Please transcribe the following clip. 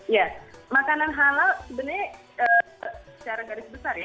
ya makanan halal sebenarnya secara garis besar ya